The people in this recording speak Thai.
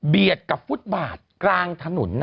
เบียดกับฟุตบาทกลางถนนน่ะ